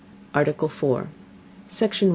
ARTICLE FOUR Section 1.